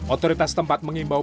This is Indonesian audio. otoritas tempat mengimbau